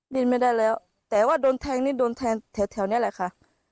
ดิ้นไม่ได้แล้วแต่ว่าโดนแทงนี่โดนแทงแถวนี้แหละค่ะ